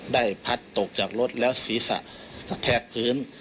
ได้พัดตกจากรถแล้วศีรษะแตะคืน